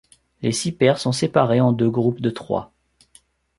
Les six paires sont séparées en deux groupes de trois.